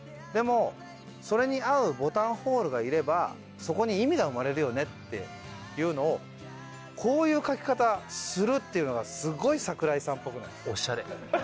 でもそれに合うボタンホールがいればそこに意味が生まれるよねっていうのをこういう書き方するっていうのがすごい桜井さんっぽくないですか？